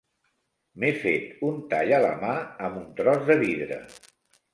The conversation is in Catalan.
M'he fet un tall a la mà amb un tros de vidre.